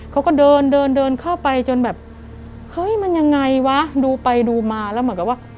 เขาก็เดินเดินเดินเข้าไปจนแบบเฮ้ยมันยังไงวะดูไปดูมาแล้วเหมือนกับว่า